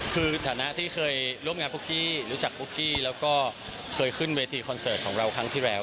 คือฐานะที่เคยร่วมงานปุ๊กกี้รู้จักปุ๊กกี้แล้วก็เคยขึ้นเวทีคอนเสิร์ตของเราครั้งที่แล้ว